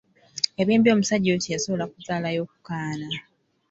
Eby'embi omusajja oyo teyasobola kuzaalayo ku kaana,